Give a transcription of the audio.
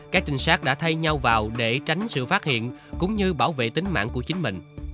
các trinh sát đã thay nhau vào để tránh sự phát hiện cũng như bảo vệ tính mạng của chính mình